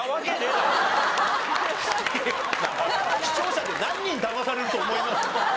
視聴者で何人だまされると思います？